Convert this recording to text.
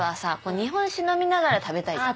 日本酒飲みながら食べたいじゃん。